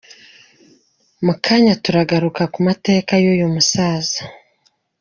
Mu kanya turagaruka ku mateka y’uyu musaza….